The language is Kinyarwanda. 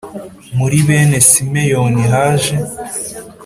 Muri bene Simeyoni haje